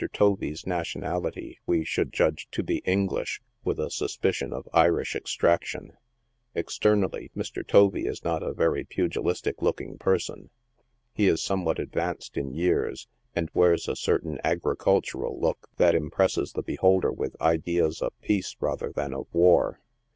Tovee's nationality we should judge to be English, with a suspicion of Irish extraction. Externally, Mr. Tovee is not a very pugilistic looking person. He is somewhat advanced in years, and wears a certain agricultural look that im presses the beholder with ideas of peace rather than of war.